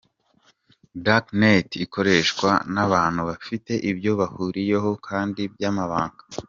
Dark net ikoreshwa n’abantu bafite ibyo bahuriyeho kandi by’amabanga.